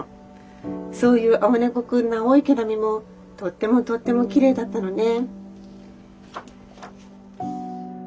そういうあおねこくんのあおいけなみもとってもとってもきれいだったのね」。